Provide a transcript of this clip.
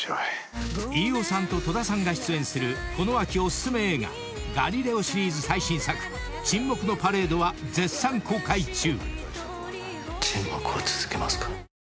［飯尾さんと戸田さんが出演するこの秋お薦め映画『ガリレオ』シリーズ最新作『沈黙のパレード』は絶賛公開中！］